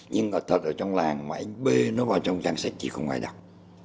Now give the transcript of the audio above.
nhưng có thật ở trong làng mà anh bê nó vào trong trang sách thì không ai đọc